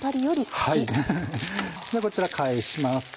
こちら返します。